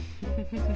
フフフフ。